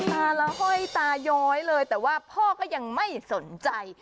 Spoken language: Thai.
มาแล้วห้อยตาย้อยเลยแต่ว่าพ่อก็ยังไม่สนใจ